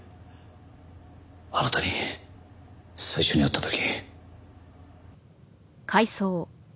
あなたに最初に会った時。